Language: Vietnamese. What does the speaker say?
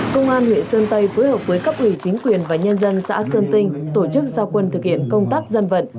công an huyện sơn tây phối hợp với cấp ủy chính quyền và nhân dân xã sơn tinh tổ chức giao quân thực hiện công tác dân vận